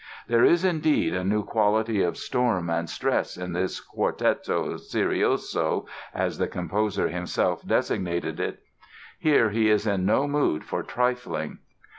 There is, indeed, a new quality of storm and stress in this Quartetto Serioso, as the composer himself designated it. Here he is in no mood for trifling.